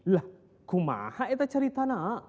lah gimana itu cerita